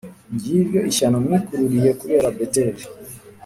Ngiryo ishyano mwikururiye kubera Beteli,